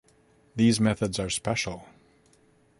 These methods are special.